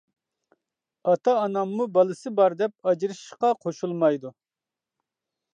ئاتا-ئاناممۇ بالىسى بار دەپ ئاجرىشىشقا قوشۇلمايدۇ.